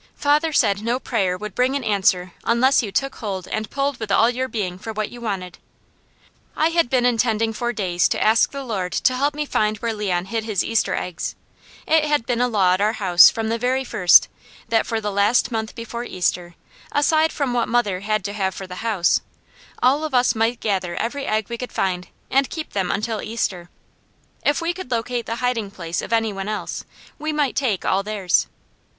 Father said no prayer would bring an answer unless you took hold and pulled with all your being for what you wanted. I had been intending for days to ask the Lord to help me find where Leon hid his Easter eggs. It had been the law at our house from the very first, that for the last month before Easter, aside from what mother had to have for the house, all of us might gather every egg we could find and keep them until Easter. If we could locate the hiding place of any one else, we might take all theirs.